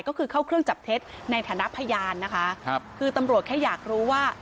ก็คือเข้าเครื่องจับเท็จในฐานะพยานนะคะครับคือตำรวจแค่อยากรู้ว่า